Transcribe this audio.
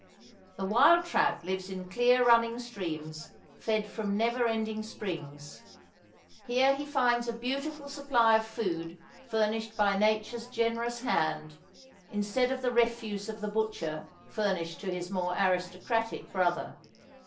The wild trout lives in clear running streams, fed from never ending springs; here he finds a beautiful supply of food furnished by nature's generous hand, instead of the refuse of the butcher furnished to his more aristocratic brother.